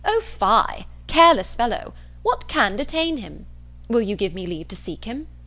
O fie! careless fellow! What can detain him? Will you give me leave to seek him?"